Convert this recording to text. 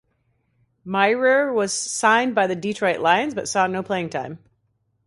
Mirer was signed by the Detroit Lions, but saw no playing time.